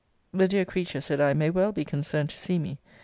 The dear creature, said I, may well, be concerned to see me.